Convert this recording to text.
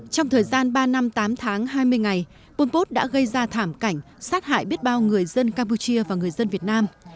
trong thời gian ba năm tám tháng hai mươi ngày pol pot đã gây ra thảm cảnh sát hại biết bao người dân campuchia và người dân việt nam